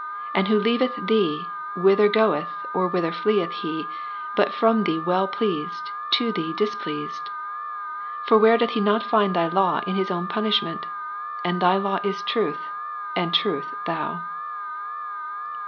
And who leaveth Thee, whither goeth or whither fleeth he, but from Thee well pleased, to Thee displeased ? For where doth Ps. 119, he not find Thy law in his own punishment ? And Thy law John 14, is truth, and truth Thou.